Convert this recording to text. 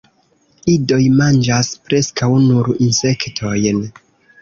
Idoj manĝas preskaŭ nur insektojn.